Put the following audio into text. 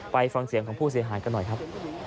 ไปฟังเสียงของผู้เสียหายกันหน่อยครับ